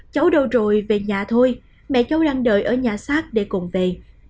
cháu đâu rồi về nhà thôi mẹ cháu đang đợi ở nhà sát để cùng về